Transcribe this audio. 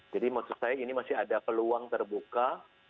jadi maksud saya ini masih ada peluang terbuka